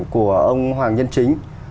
của ông hoàng nhân chính